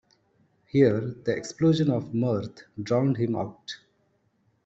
Here the explosion of mirth drowned him out.